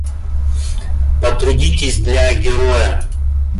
Потрудитесь для героя!